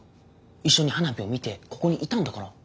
一緒に花火を見てここにいたんだから。